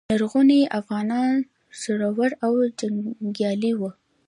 لرغوني افغانان زړور او جنګیالي وو